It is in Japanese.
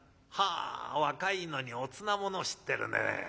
「はあ若いのにおつなものを知ってるね。